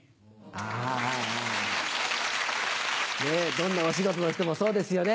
どんなお仕事の人もそうですよね。